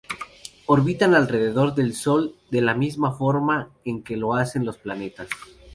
Orbitan alrededor del Sol de la misma forma en que lo hacen los planetas.